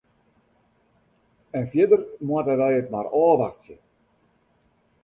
En fierder moatte wy it mar ôfwachtsje.